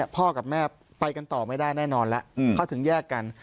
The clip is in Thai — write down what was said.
พ่อกับแม่ไปกันต่อไม่ได้แน่นอนแล้วเขาถึงแยกกัน